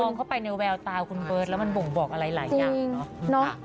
เข้าไปในแววตาคุณเบิร์ตแล้วมันบ่งบอกอะไรหลายอย่างเนอะ